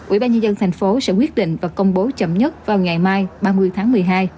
ubnd tp hcm sẽ quyết định và công bố chậm nhất vào ngày mai ba mươi tháng một mươi hai